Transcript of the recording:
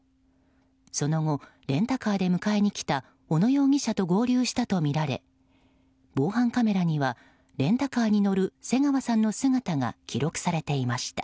その後、レンタカーで迎えに来た小野容疑者と合流したとみられ防犯カメラにはレンタカーに乗る瀬川さんの姿が記録されていました。